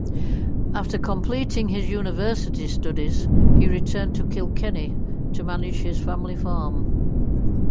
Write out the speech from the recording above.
After completing his university studies, he returned to Kilkenny to manage his family farm.